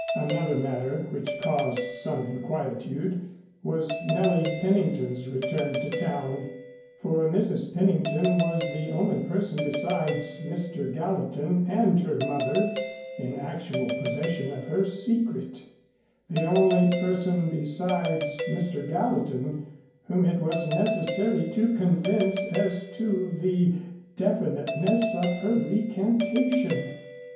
Another matter which caused some inquietude was Nellie Pennington's return to town, for Mrs. Pennington was the only person, besides Mr. Gallatin and her mother, in actual possession of her secret, the only person besides Mr. Gallatin whom it was necessary to convince as to the definiteness of her recantation.